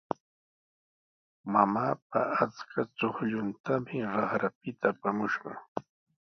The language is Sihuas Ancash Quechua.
Mamaaqa achka chuqllutami raqrapita apamushqa.